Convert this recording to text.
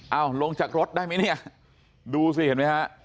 เอ้าลงจากรถได้มั้ยเนี่ยดูสิเห็นมั้ยคะ